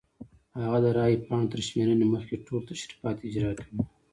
هغه د رای پاڼو تر شمېرنې مخکې ټول تشریفات اجرا کوي.